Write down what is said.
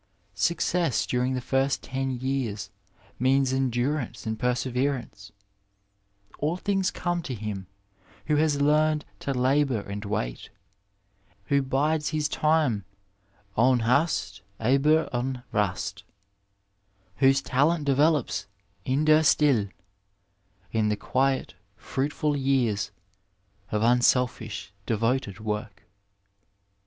Success during the first ten years means endurance and perse verance ; all things come to him who has learned to labour and wait, who bides his time " ohne Hast, aber ohne Bast," whose talent develops " in der Stille," in the quiet fruitful years of unselfish devoted work.